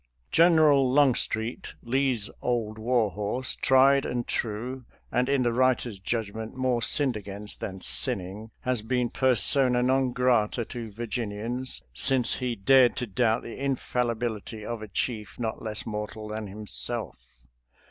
General Longstreet, Lee's " Old War Horse," tried and true, and, in the writer's judgment, more " sinned against " than " sinning," has been persona non grata to Virginians since he dared to doubt the infallibility of a chief not less mortal than himself.